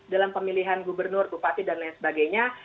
dalam pemilihan gubernur bupati dan lain sebagainya